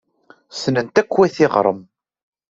Ssnen-t akk wayt yiɣrem.